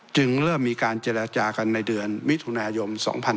เริ่มมีการเจรจากันในเดือนมิถุนายน๒๕๖๒